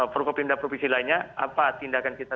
prokopimda provinsi lainnya apa tindakan kita